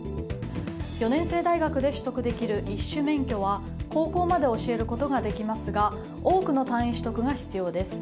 ４年制大学で取得できる１種免許は高校まで教えることができますが多くの単位取得が必要です。